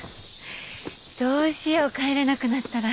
どうしよう帰れなくなったら。